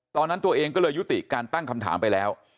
ตอนนั้นตัวเองก็เลยยุติการตั้งคำถามไปแล้ว